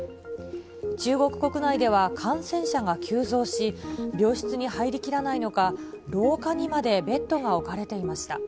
中国国内では感染者が急増し、病室に入りきらないのか、廊下にまでベッドが置かれていました。